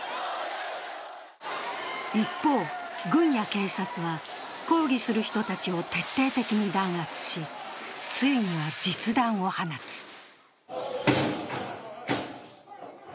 一方、軍や警察は抗議する人たちを徹底的に弾圧しついには実弾を放つ。